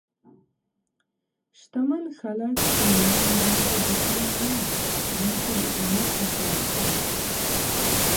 شتمن خلک خپل مال یوازې د ځان نه، بلکې د امت لپاره ګڼي.